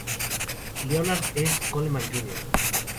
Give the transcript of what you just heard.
Leonard S. Coleman, Jr.